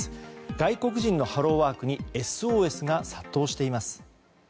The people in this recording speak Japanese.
外国人のハローワークにＳＯＳが殺到しています。